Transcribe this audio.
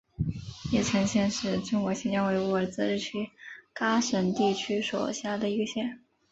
叶城县是中国新疆维吾尔自治区喀什地区所辖的一个县。